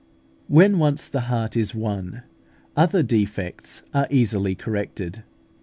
When once the heart is won, other defects are easily corrected.